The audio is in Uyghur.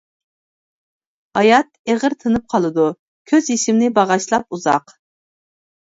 ھايات ئېغىر تىنىپ قالىدۇ، كۆز يېشىمنى باغاشلاپ ئۇزاق.